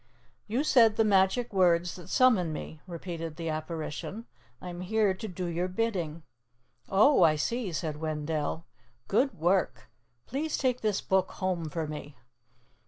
"You said the magic words that summon me," repeated the apparition. "I am here to do your bidding." "Oh, I see," said Wendell. "Good work! Please take this Book home for me."